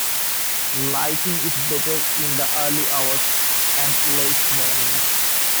Lighting is better in the early hours and late morning.